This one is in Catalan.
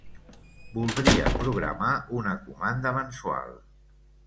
Voldria programar una comanda mensual.